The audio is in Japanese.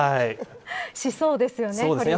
しそうですよね。